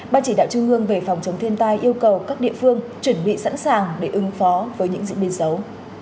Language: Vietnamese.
ban chỉ đạo trung ương về phòng chống thiên tai yêu cầu các địa phương chuẩn bị sẵn sàng để ứng phó với những diễn biến xấu